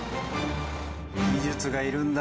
技術がいるんだ。